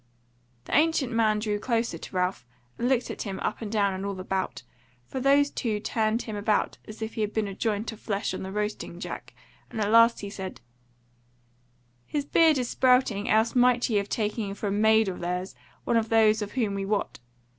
The ancient man drew closer to Ralph and looked at him up and down and all about; for those two turned him about as if he had been a joint of flesh on the roasting jack; and at last he said: "His beard is sprouting, else might ye have taken him for a maid of theirs, one of those of whom we wot.